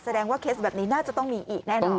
ว่าเคสแบบนี้น่าจะต้องมีอีกแน่นอน